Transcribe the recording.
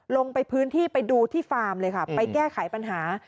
ลงไปพื้นที่ไปดูที่ฟาร์มเลยค่ะไปแก้ไขปัญหา